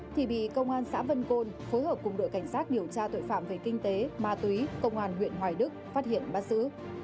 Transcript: thì bị công an xã vân côn phối hợp cùng đội cảnh sát điều tra tội phạm về kinh tế ma túy công an huyện hoài đức phát hiện bắt giữ